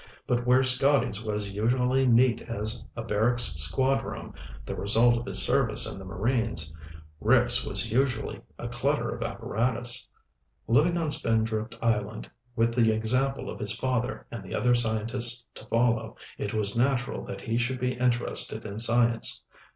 But where Scotty's was usually neat as a barracks squad room, the result of his service in the Marines, Rick's was usually a clutter of apparatus. Living on Spindrift Island with the example of his father and the other scientists to follow, it was natural that he should be interested in science.